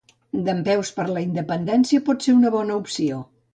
Dempeus per la independència potser serà una bona opció